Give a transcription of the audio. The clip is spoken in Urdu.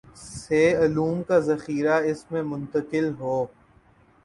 سے علوم کا ذخیرہ اس میں منتقل ہو